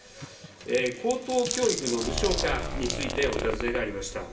高等教育の無償化についてお尋ねがありました。